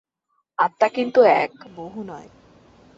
আত্মা কিন্তু এক, বহু নয়।